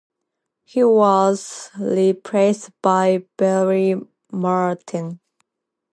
He was replaced by Barrett Martin.